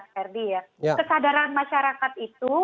kesadaran masyarakat itu